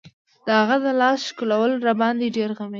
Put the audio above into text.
د هغه د لاس ښکلول راباندې ډېر غمېدل.